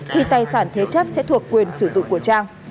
thì tài sản thế chấp sẽ thuộc quyền sử dụng của trang